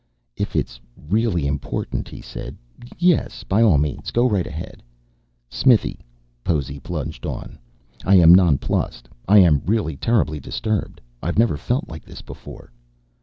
"If it is really important," he said. "Yes, by all means. Go right ahead." "Smithy," Possy plunged on, "I am nonplussed. I am really, terribly disturbed. I've never felt like this before."